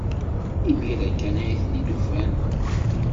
Imir-a kan ay ten-id-ufan.